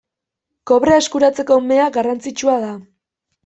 Kobrea eskuratzeko mea garrantzitsua da.